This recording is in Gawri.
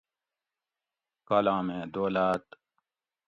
کالامیں دولاۤت